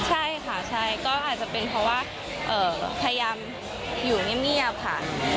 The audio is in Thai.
ใช่ค่ะใช่ก็อาจจะเป็นเพราะว่าพยายามอยู่เงียบค่ะ